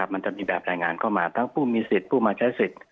มันจะมีแบบรายงานเข้ามาทั้งผู้มีสิทธิ์ผู้มาใช้สิทธิ์